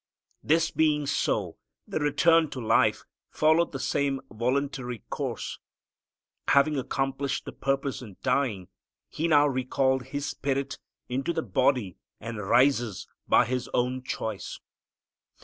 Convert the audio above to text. This being so, the return to life followed the same voluntary course. Having accomplished the purpose in dying, He now recalled His spirit into the body and rises by His own choice.